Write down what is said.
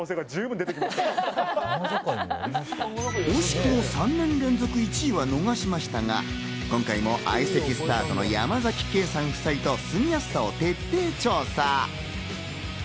惜しくも３年連続１位は逃しましたが、今回も相席スタートの山崎ケイさん夫妻と住みやすさを徹底調査。